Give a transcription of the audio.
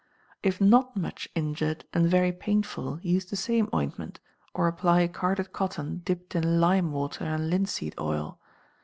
If not much injured, and very painful, use the same ointment, or apply carded cotton dipped in lime water and linseed oil.